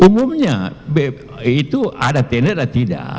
umumnya itu ada tender atau tidak